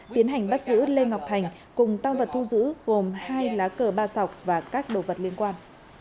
tiến hành bắt giữ lê ngọc thành cùng tăng vật thu giữ gồm hai lá cờ ba sọc và các đồ vật liên quan